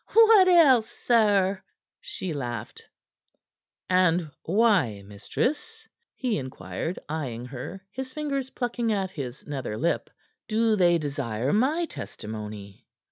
"What else, sir?" she laughed. "And why, mistress," he inquired, eying her, his fingers plucking at his nether lip, "do they desire my testimony?"